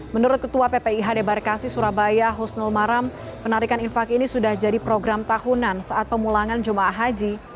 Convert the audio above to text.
menurut ketua ppih debarkasi surabaya husnul maram penarikan infak ini sudah jadi program tahunan saat pemulangan jemaah haji